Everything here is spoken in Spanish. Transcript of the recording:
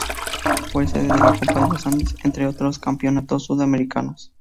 Fue sede de la Copa Los Andes entre otros campeonatos sudamericanos.